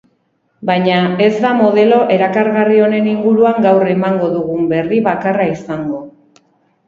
Baina ez da modelo erakargarri honen inguruan gaur emango dugun berri bakarra izango.